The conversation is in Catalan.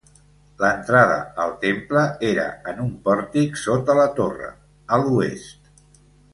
L'entrada al temple era en un pòrtic sota la torre, a l'oest.